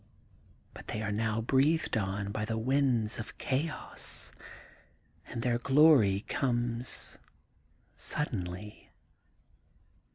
But they are now breathed on by the winds of chaos and their glory comes suddenly.